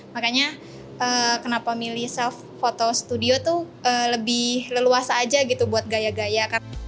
makanya kenapa milih self photo studio tuh lebih leluasa aja gitu buat gaya gaya